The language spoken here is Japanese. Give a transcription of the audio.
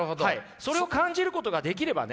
それを感じることができればね